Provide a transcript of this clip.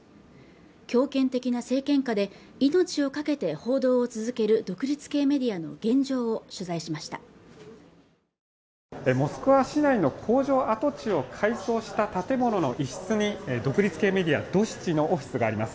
強権的な政権下で命を懸けて報道を続ける独立系メディアの現状を取材しましたモスクワ市内の工場跡地を改装した建物の一室に独立系メディアドシチのオフィスがあります